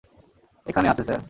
এখানেই আছে, স্যার।